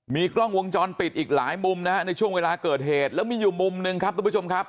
มีกล้องวงจรปิดอีกหลายมุมนะฮะในช่วงเวลาเกิดเหตุแล้วมีอยู่มุมหนึ่งครับทุกผู้ชมครับ